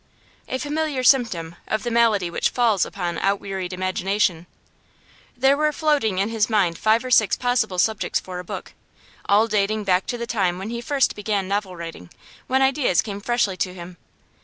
A familiar symptom of the malady which falls upon outwearied imagination. There were floating in his mind five or six possible subjects for a book, all dating back to the time when he first began novel writing, when ideas came freshly to him.